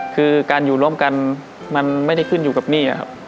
คือการอยู่ร่วมกันมันไม่ได้ขึ้นอยู่กับหนี้ครับ